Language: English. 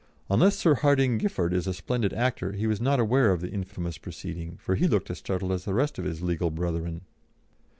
Unless Sir Hardinge Giffard is a splendid actor, he was not aware of the infamous proceeding, for he looked as startled as the rest of his legal brethren.